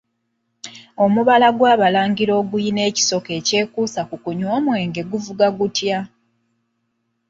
Omubala gw'Abalangira ogulina ekisoko ekyakuusa ku kunywa omwenge guvuga gutya?